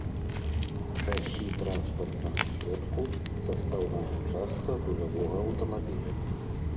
Шасі транспартнага сродку — састаўная частка грузавога аўтамабіля